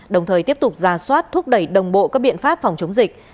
đồng thời tiếp tục ra soát thúc đẩy đồng bộ các biện pháp phòng chống dịch